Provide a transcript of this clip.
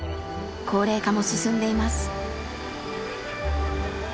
高齢化も進んでいます。